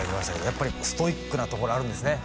やっぱりストイックなところあるんですね